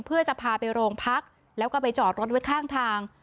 เพื่อจะพาไปโรงพักแล้วก็ไปจอดรถไว้ข้างทาง